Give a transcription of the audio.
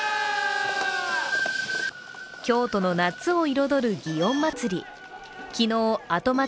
京都の夏を彩る祇園祭。